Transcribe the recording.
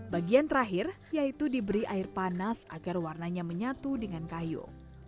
bagian terakhir yaitu diberi air panas agar warnanya menyatu dengan kayu